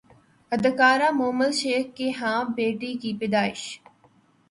اداکارہ مومل شیخ کے ہاں بیٹی کی پیدائش